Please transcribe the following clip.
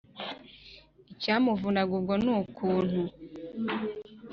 Icyamuvunaga ubwo ni ukuntu